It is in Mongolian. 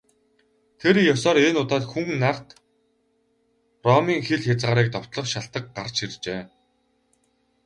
Тэр ёсоор энэ удаад Хүн нарт Ромын хил хязгаарыг довтлох шалтаг гарч иржээ.